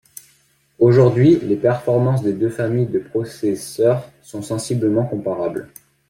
Aujourd'hui, les performances des deux familles de processeurs sont sensiblement comparables.